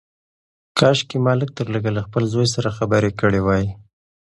کاشکي ما لږ تر لږه له خپل زوی سره خبرې کړې وای.